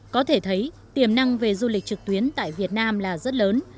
có thể thấy tiềm năng về du lịch trực tuyến tại việt nam là rất lớn